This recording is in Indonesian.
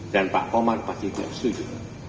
dan pak komar pasti tidak setuju